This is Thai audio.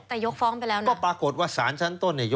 แต่ยกฟ้องไปแล้วนะก็ปรากฏว่าสารชั้นต้นเนี่ย